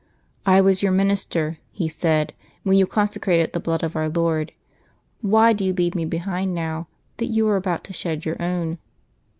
" I was your minister," he said, "when you consecrated the blood of Our Lord; why do 5'ou leave me behind now, that you are about to shed your own?"